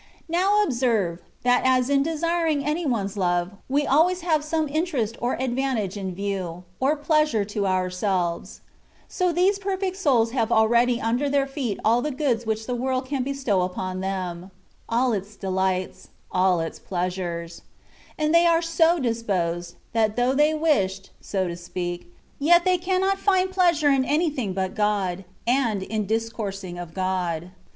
Now observe, that as in desiring any one's love, we always have some interest or advantage in view, or pleasure to ourselves; so these perfect souls have already under their feet all the goods which the world can bestow upon them — all its delights — all its pleasures : and they are so dis posed, that though they wished (so to speak), yet they cannot find pleasure in anjrthing but God, and in discoursing of God.